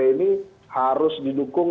ini harus didukung